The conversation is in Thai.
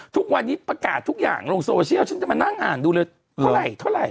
ทุกวันนี้ประกาศทุกอย่างลงโซเชียลฉันจะมานั่งอ่านดูเลยเท่าไหร่